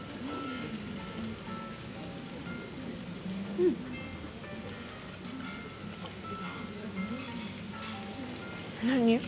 うん！何？